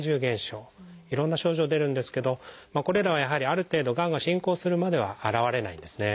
いろんな症状出るんですけどこれらはやはりある程度がんが進行するまでは現れないんですね。